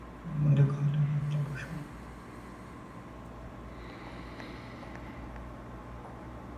কমলা কোনোমতে কহিল, না, আপনি বসুন।